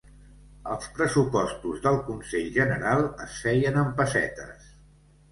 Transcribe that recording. Els pressupostos del Consell General es feien en pessetes.